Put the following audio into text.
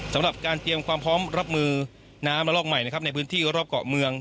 สำหรับการเตรียมความพร้อมรับมือน้ำระลอกใหม่นะครับในพื้นที่รอบเกาะเมือง